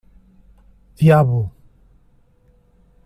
Diabo!